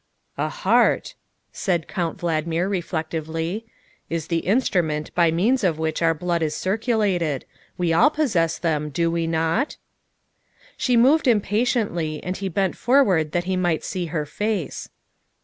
"A heart," said Count Valdmir reflectively, " is the instrument by means of which our blood is circulated; we all possess them, do we not?" She moved impatiently, and he bent forward that he might see her face.